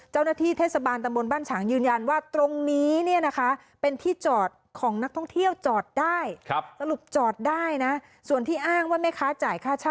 เจ้าหน้าที่เทศบาลตำบลบ้านฉังยืนยันว่า